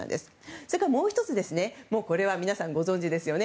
それから、もう１つこれは皆さんご存じですよね。